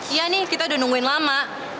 iya nih kita udah nungguin lama